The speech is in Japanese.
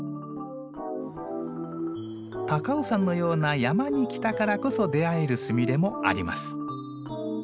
高尾山のような山に来たからこそ出会えるスミレもあります。